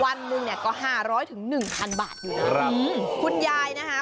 วันหนึ่งเนี่ยก็ห้าร้อยถึงหนึ่งพันบาทอยู่นะครับคุณยายนะคะ